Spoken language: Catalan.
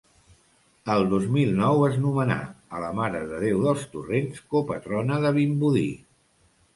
El dos mil nou es nomenà a la Mare de Déu dels Torrents copatrona de Vimbodí.